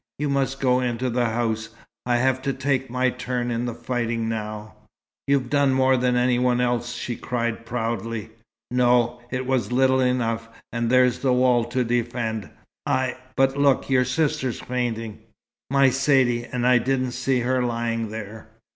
You must go into the house, I have to take my turn in the fighting now " "You've done more than any one else!" she cried, proudly. "No, it was little enough. And there's the wall to defend. I but look, your sister's fainting." "My Saidee! And I didn't see her lying there!"